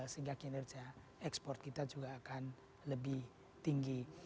sehingga kinerja ekspor kita juga akan lebih tinggi